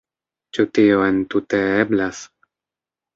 Ĉu tio entute eblas?